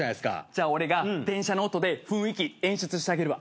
じゃあ俺が電車の音で雰囲気演出してあげるわ。